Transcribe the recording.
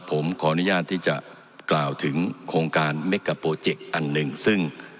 ผมขออนุญาตที่จะกล่าวถึงโครงการอันหนึ่งซึ่ง